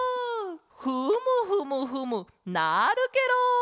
フムフムフムなるケロ！